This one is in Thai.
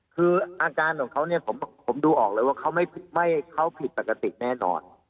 คืออาการของเขาเนี่ยผมดูออกเลยว่าเขาผิดปกติแน่นอน